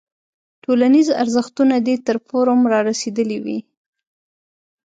ټولنیز ارزښتونه دې تر فورم رارسېدلی وي.